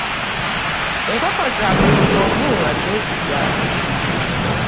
Enkoko zaabwe buli omu azeesiga.